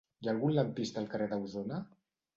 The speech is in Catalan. Hi ha algun lampista al carrer d'Ausona?